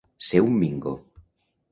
Ser un mingo.